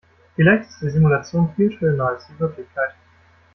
Vielleicht ist die Simulation viel schöner als die Wirklichkeit.